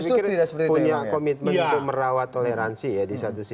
saya pikir itu saya pikir punya komitmen itu merawat toleransi ya di satu sisi